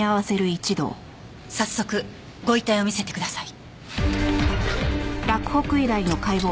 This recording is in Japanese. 早速ご遺体を見せてください。